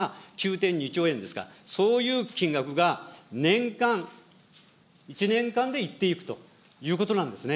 そして２２８０兆円とすれば９．２兆円ですか、そういう金額が年間、１年間でいっていくということなんですね。